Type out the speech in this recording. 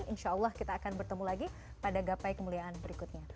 insya allah kita akan bertemu lagi pada gapai kemuliaan berikutnya